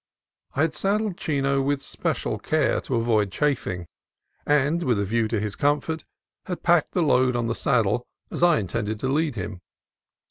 I had saddled Chino with special care, to avoid charing, and, with a view to his comfort, had packed the load on the saddle, as I intended to lead him.